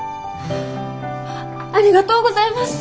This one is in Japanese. ありがとうございます！